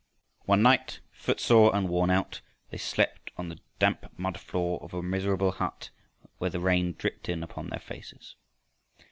One night, footsore and worn out, they slept on the damp mud floor of a miserable hut where the rain dripped in upon their faces.